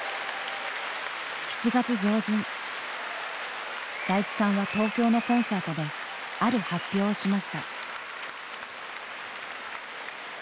７月上旬財津さんは東京のコンサートである発表をしました。